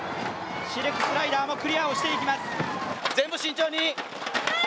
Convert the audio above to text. シルクスライダーも通過していきます。